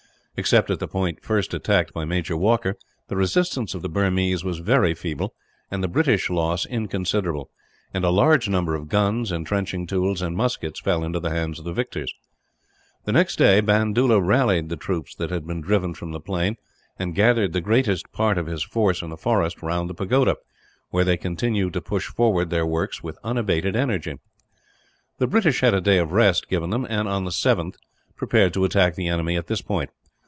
Except at the point first attacked by Major Walker, the resistance of the Burmese was very feeble, and the British loss inconsiderable; and a large number of guns, entrenching tools, and muskets fell into the hands of the victors. The next day Bandoola rallied the troops that had been driven from the plain, and gathered the greatest part of his force in the forest round the pagoda, where they continued to push forward their works with unabated energy. The British had a day of rest given them and, on the 7th, prepared to attack the enemy at this point.